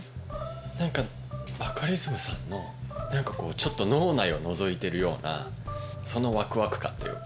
何かバカリズムさんのちょっと脳内をのぞいてるようなそのワクワク感というか。